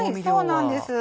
そうなんです